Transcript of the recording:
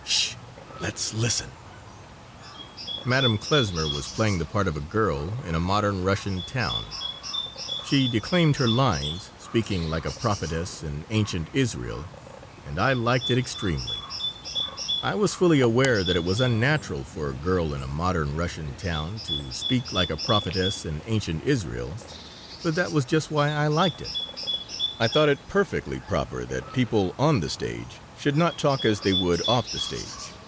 " 'S sh! Let's listen." Madame Klesmer was playing the part of a girl in a modern Russian town. She declaimed her lines, speaking like a prophetess in ancient Israel, and I liked it extremely. I was fully aware that it was unnatural for a girl in a modern Russian town to speak like a prophetess in ancient Israel, but that was just why I liked it. I thought it perfectly proper that people on the stage should not talk as they would off the stage.